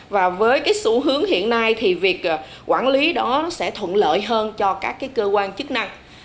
và với cái xu hướng hiện nay thì việc quản lý đó sẽ thuận lợi hơn cho các cơ quan chức năng